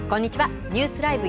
ニュースＬＩＶＥ！